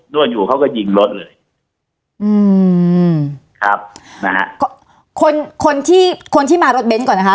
วดอยู่เขาก็ยิงรถเลยอืมครับนะฮะคนคนที่คนที่มารถเน้นก่อนนะคะ